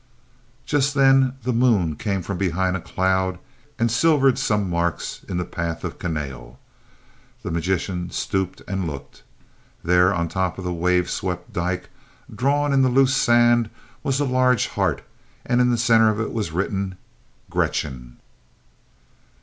Just then the moon came from behind a cloud and silvered some marks in the path of Kahnale. The magician stooped and looked. There on the top of the wave swept dyke, drawn in the loose sand, was a large heart, and in the center of it was written "Gretchen."